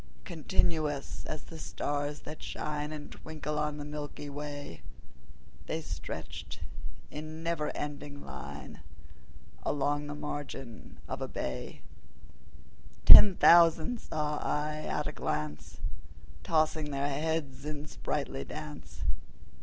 Continuous as the stars that shine And twinkle on the milky way, They stretched in never ending line Along the margin of a bay: 10 Ten thousand saw I at a glance, Tossing their heads in sprightly dance.